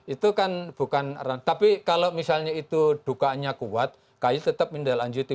itu kan bukan tapi kalau misalnya itu dukanya kuat kay tetap mendelanjuti